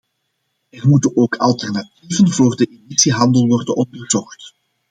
Er moeten ook alternatieven voor de emissiehandel worden onderzocht.